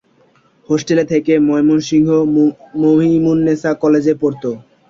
হোষ্টেলে থেকে ময়মনসিংহ মমিনুন্নেসা কলেজে পড়ত।